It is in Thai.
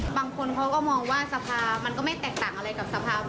บางคนเขาก็มองว่าสภามันก็ไม่แตกต่างอะไรกับสภาพ